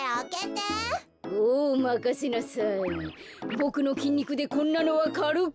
ボクのきんにくでこんなのはかるく。